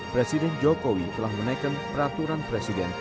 presiden jokowi telah menaikkan peraturan presiden